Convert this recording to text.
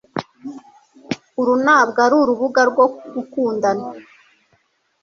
Uru ntabwo arurubuga rwo gukundana